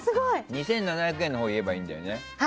２７００円のほうを言えばいいんだよね。